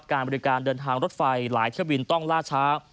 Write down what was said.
การบริการเดินทางรถไฟหลายเที่ยวบินต้องล่าช้า